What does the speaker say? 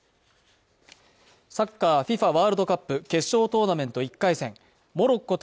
サッカーＦＩＦＡワールドカップ決勝トーナメント１回戦モロッコ対